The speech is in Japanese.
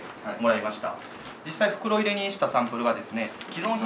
実際袋入れにしたサンプルはですね。